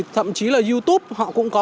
thậm chí là youtube họ cũng có